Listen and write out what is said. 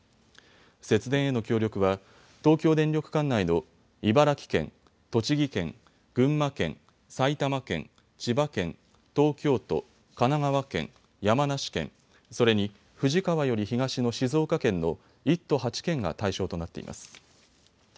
節電への協力は東京電力管内の茨城県、栃木県、群馬県、埼玉県、千葉県、東京都、神奈川県、山梨県、それに富士川より東の静岡県の１都８県が対象となっています。